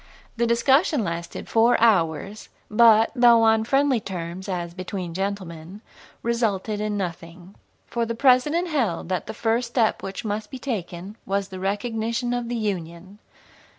The discussion lasted four hours, but, though on friendly terms, as "between gentlemen," resulted in nothing. For the President held that the first step which must be taken was the recognition of the Union.